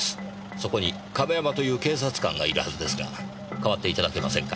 そこに亀山という警察官がいるはずですが代わっていただけませんか？